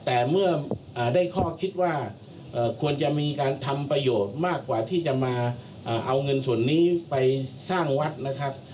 แต่เมื่อได้ข้อคิดว่าควรจะมีการทำประโยชน์มากกว่าที่จะมาเอาเงินส่วนนี้ไปสร้างวัดนะครับ